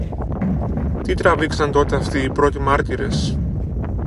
Τι τράβηξαν τότε αυτοί οι πρώτοι μάρτυρες!